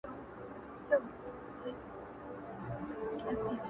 نور به له پالنګ څخه د جنګ خبري نه کوو!